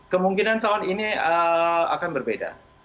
kemungkinan tahun ini akan berbeda